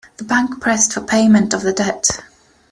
The bank pressed for payment of the debt.